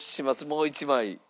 もう１枚。